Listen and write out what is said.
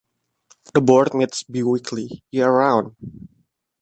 The Board meets bi-weekly year-round.